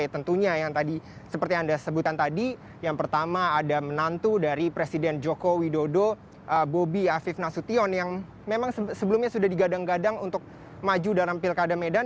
tentunya yang tadi seperti anda sebutkan tadi yang pertama ada menantu dari presiden joko widodo bobi afif nasution yang memang sebelumnya sudah digadang gadang untuk maju dalam pilkada medan